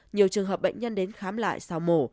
nhiều trường hợp bệnh nhân đến khám lại sau mổ